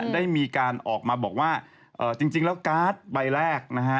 ได้มีการออกมาบอกว่าจริงแล้วการ์ดใบแรกนะฮะ